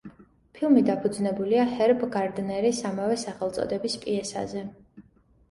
ფილმი დაფუძნებულია ჰერბ გარდნერის ამავე სახელწოდების პიესაზე.